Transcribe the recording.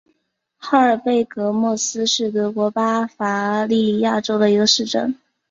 哈尔贝格莫斯是德国巴伐利亚州的一个市镇。